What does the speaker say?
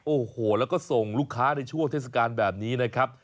โอ้โหแล้วก็ส่งลูกค้าในช่วงเทศกาลแบบนี้นะครับ